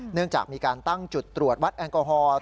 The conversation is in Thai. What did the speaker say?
เนื่องจากมีการตั้งจุดตรวจวัดแอลกอฮอล์